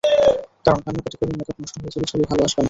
কারণ, কান্নাকাটি করলে মেকআপ নষ্ট হয়ে যাবে, ছবি ভালো আসবে না।